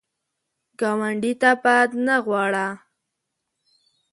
ګاونډي ته بد نه غواړه